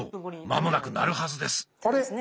間もなく鳴るはずです。